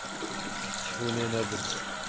Hûn ê nebin.